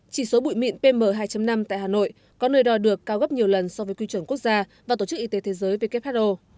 chỉ số bụi mịn pm hai năm tại hà nội có nơi đo được cao gấp nhiều lần so với quy chuẩn quốc gia và tổ chức y tế thế giới who